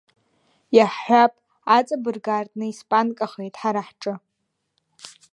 Иаҳҳәап аҵабырг аартны испанкахеит ҳара ҳҿы.